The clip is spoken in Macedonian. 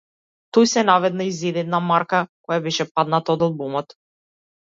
Тој се наведна и зеде една марка која беше падната од албумот.